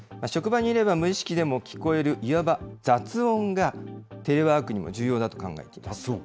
職場にいれば無意識でも聞こえる、いわば雑音が、テレワークにも重要だと考えています。